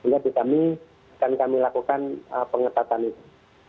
jadi kami akan kami lakukan pengetahuan itu